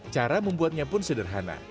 cara membuatnya pun sederhana